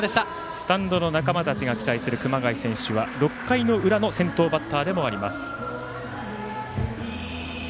スタンドの仲間たちが期待する熊谷選手は６回の裏の先頭バッターでもあります。